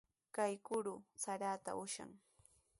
Kay kuru saraata ushan.